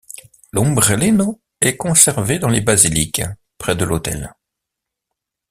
L'ombrellino est conservé dans les basiliques, près de l'autel.